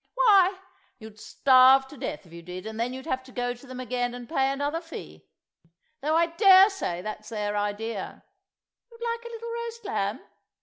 Why, you'd starve to death if you did, and then you'd have to go to them again and pay another fee—though I dare say that's their idea. ... You would like a little roast lamb?